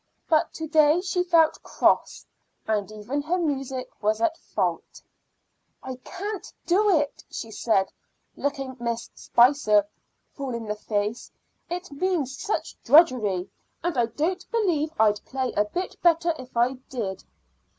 But to day she felt cross, and even her music was at fault. "I can't do it," she said, looking Miss Spicer full in the face. "It means such drudgery, and I don't believe I'd play a bit better if I did."